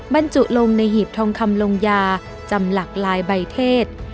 บรรจุลงในหีบทองคำลงยาจำหลักลายใบเทศ